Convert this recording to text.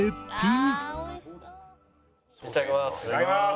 いただきます。